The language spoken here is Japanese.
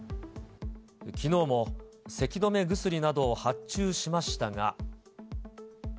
きのうもせき止め薬などを発注しましたが。